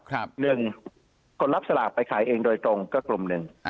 ครับคนรับสลากไปขายเองโดยตรงก็กลุ่ม๑